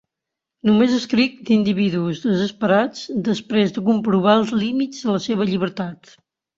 Només escric d'individus desesperats després de comprovar els límits de la seva llibertat.